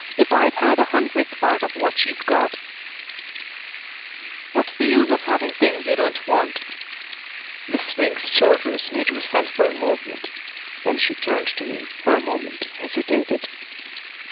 If I'd had a hundredth part of what she's got " "What's the use of having things you don't want?" Miss Swink's shoulders made resentful movement; then she turned to me, for a moment hesitated.